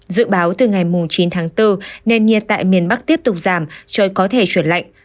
dự báo từ ngày chín tháng bốn nền nhiệt tại miền bắc tiếp tục giảm trời có thể chuyển lạnh